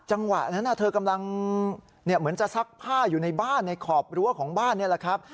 จังหวะนั้นเธอกำลังเหมือนจะซักผ้าอยู่ในบ้านในขอบรั้วของบ้านนี่แหละครับ